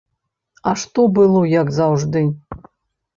А што было як заўжды?